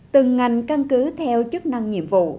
từng ngành căn cứ theo chức năng nhiệm vụ